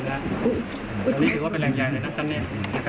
อันนี้ถือว่าเป็นแหล่งใหญ่เลยนะชั้นเนี้ย